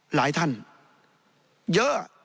หลายท่านเยอะ